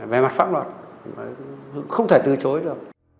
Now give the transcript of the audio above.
về mặt pháp luật không thể từ chối đâu